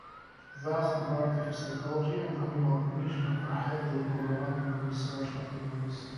Thus, comparative psychology and animal cognition are heavily overlapping research categories.